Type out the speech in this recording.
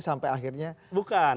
sampai akhirnya bukan